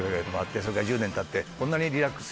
それから１０年たって。